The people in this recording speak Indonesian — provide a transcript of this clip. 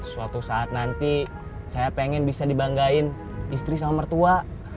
suatu saat nanti saya pengen bisa dibanggain istri sama mertua